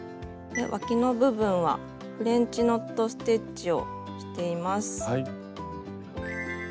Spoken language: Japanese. わきの部分はフレンチノット・ステッチをしています。